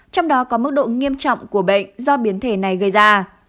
trong đó có mức độ nghiêm trọng của bệnh do biến thể này gây ra